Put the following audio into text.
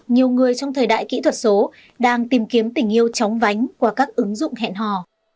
nhiều người trong thời đại kỹ thuật số đang tìm kiếm tình yêu chóng vánh qua các ứng dụng hẹn hò